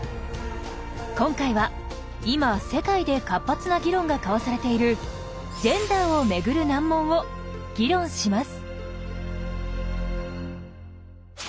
今回は今世界で活発な議論が交わされているジェンダーを巡る難問を議論します。